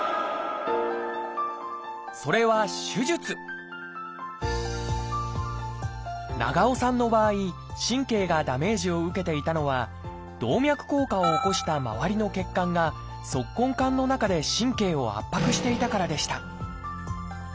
それは長尾さんの場合神経がダメージを受けていたのは動脈硬化を起こした周りの血管が足根管の中で神経を圧迫していたからでした